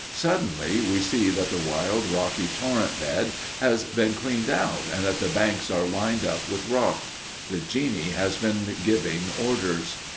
Suddenly we see that the wild, rocky, torrent bed has been cleaned out, and that the banks are lined up with rock. The genie has been giving orders.